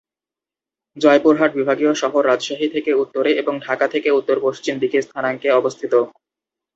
জয়পুরহাট বিভাগীয় শহর রাজশাহী থেকে উত্তরে এবং ঢাকা থেকে উত্তর পশ্চিম দিকে স্থানাঙ্কে অবস্থিত।